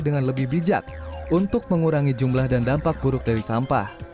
dengan lebih bijak untuk mengurangi jumlah dan dampak buruk dari sampah